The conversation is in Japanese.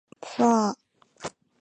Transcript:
ふぁあ